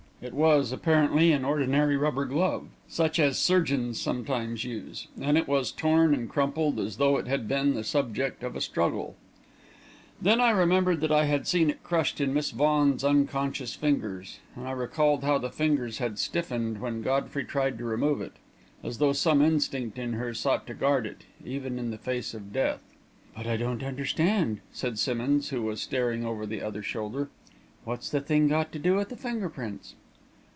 It was, apparently, an ordinary rubber glove, such as surgeons sometimes use, and it was torn and crumpled, as though it had been the subject of a struggle. Then I remembered that I had seen it crushed in Miss Vaughan's unconscious fingers, and I recalled how the fingers had stiffened when Godfrey tried to remove it, as though some instinct in her sought to guard it, even in the face of death. "But I don't understand," said Simmonds, who was staring over the other shoulder. "What's that thing got to do with the finger prints?"